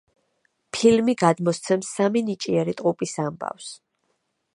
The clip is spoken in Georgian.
ფილმი გადმოსცემს სამი ნიჭიერი ტყუპის ამბავს.